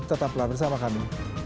tetaplah bersama kami